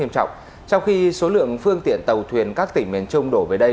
trong khi số lượng phương tiện tàu thuyền các tỉnh miền trung đổ về đây